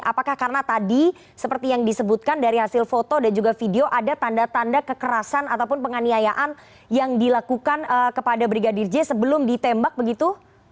apakah karena tadi seperti yang disebutkan dari hasil foto dan juga video ada tanda tanda kekerasan ataupun penganiayaan yang dilakukan kepada brigadir j sebelum ditembak begitu